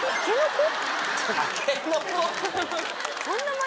たけのこ？